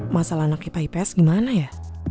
masalah anaknya pai pes gimana ya